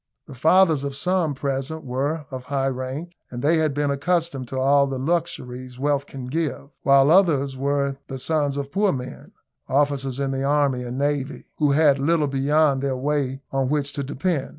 The fathers of some present were of high rank, and they had been accustomed to all the luxuries wealth can give, while others were the sons of poor men, officers in the army and navy, who had little beyond their pay on which to depend.